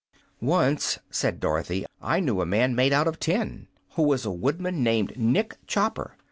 "Once," said Dorothy, "I knew a man made out of tin, who was a woodman named Nick Chopper.